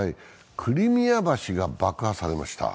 クリミア橋が爆破されました。